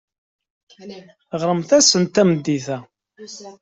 Ɣremt-asent tameddit-a.